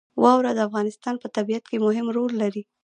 واوره د افغانستان په طبیعت کې مهم رول لري.